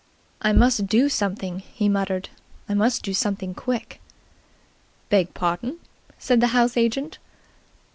"I must do something," he muttered. "I must do something quick." "Beg pardon," said the house agent.